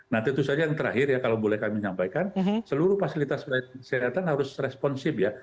nah tentu saja yang terakhir ya kalau boleh kami nyampaikan seluruh fasilitas kesehatan harus responsif ya